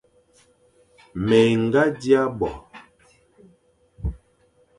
Mé ñga dia bo,